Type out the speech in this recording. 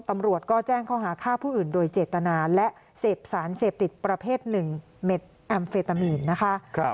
ตำรวจก็แจ้งข้อหาฆ่าผู้อื่นโดยเจตนาและเสพสารเสพติดประเภทหนึ่งเม็ดแอมเฟตามีนนะคะ